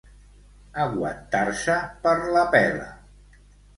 Aguantar-se per la pela.